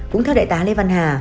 cũng theo đại tá lê văn hà